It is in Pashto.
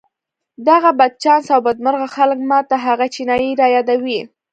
دغه بدچانسه او بدمرغه خلک ما ته هغه چينايي را يادوي.